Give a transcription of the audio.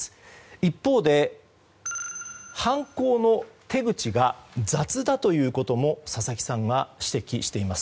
一方で犯行の手口が雑だということも佐々木さんは指摘しています。